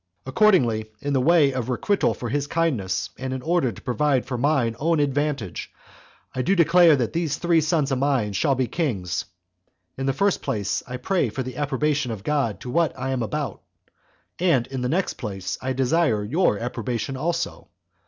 Accordingly, in way of requital for his kindness, and in order to provide for mine own advantage, I do declare that these three sons of mine shall be kings. And, in the first place, I pray for the approbation of God to what I am about; and, in the next place, I desire your approbation also.